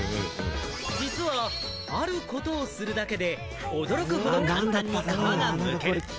実は、あることをするだけで、驚くほど簡単に皮が剥ける。